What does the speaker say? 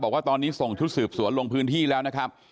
บอกว่าตอนนี้ส่งชุดสืบสวนลงพื้นที่แล้วนะครับ